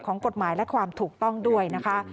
ของกฎหมายและความถูกต้องด้วยนะคะ